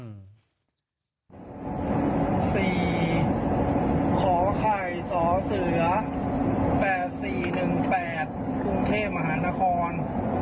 ๔ขอไข่สเส๘๔๑๘ภูเทพฯมหานคร